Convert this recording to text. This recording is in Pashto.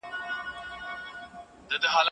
بڼوال به په اوږه باندي ګڼ توکي راوړي.